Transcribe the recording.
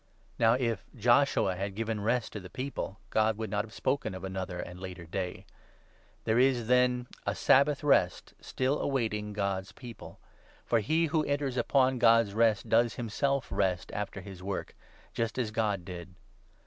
Now if Joshua had given ' Rest ' to the people, God would 8 not have spoken of another and later day. There is, then, a 9 Sabbath Rest still awaiting God's People. For he who 10 enters upon God's Rest does himself rest after his work, just as God did.